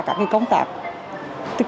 các cái công tác